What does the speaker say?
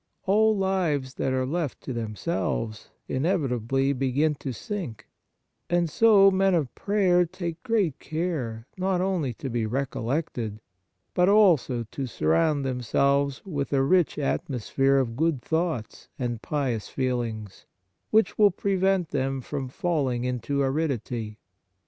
All lives that are left to themselves inevitably begin to sink And so men of prayer take great care, not only to be recollected, but no Instructions and Reading also to surround themselves with a rich atmosphere of good thoughts and pious feelings, which will prevent them from falling into aridity.